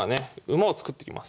馬を作ってきます。